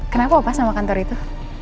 kenapa pas sama kantor itu